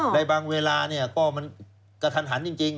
ในบางเวลาก็ทันจริง